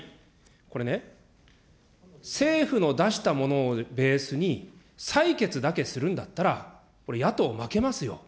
これね、政府の出したものをベースに、採決だけするんだったら、これ、野党、負けますよ。